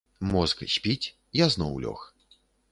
Мозг спіць, я зноў лёг.